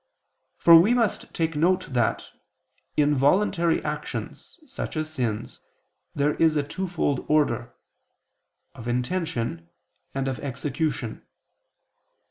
For we must take note that, in voluntary actions, such as sins, there is a twofold order, of intention, and of execution.